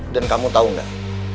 dan kamu tau gak